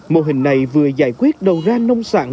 mô hình này vừa giải quyết đầu ra nông sản